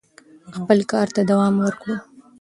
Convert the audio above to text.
خپل کار ته دوام ورکړو.